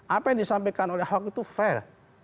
apa yang disampaikan oleh ahok itu fair